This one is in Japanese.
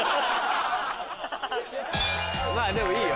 まぁでもいいよ。